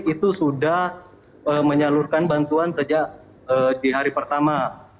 itu sudah menyalurkan bantuan sejak di hari pertama